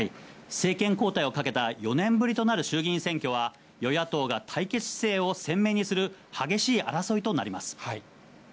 政権交代をかけた、４年ぶりとなる衆議院選挙は、与野党が対決姿勢を鮮明にする激しい争いとなります。